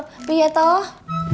tapi ya toh